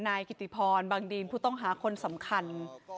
นายกิติพรบางดีนผู้ต้องหาคนสำคัญ